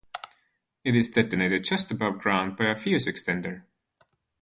It is detonated just above ground by a fuze extender.